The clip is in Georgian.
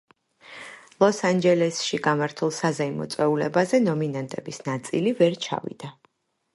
ლოს-ანჯელესში გამართულ საზეიმო წვეულებაზე ნომინანტების ნაწილი ვერ ჩავიდა.